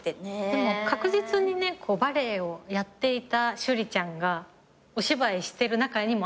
でも確実にねバレエをやっていた趣里ちゃんがお芝居してる中にもあるじゃん。